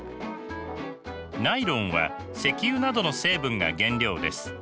ナイロンは石油などの成分が原料です。